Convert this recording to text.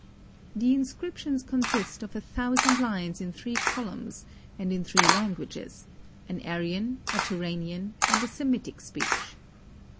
The inscriptions consist of a thousand lines in three columns and in three languages; an Aryan, a Turanian and a Semitic speech.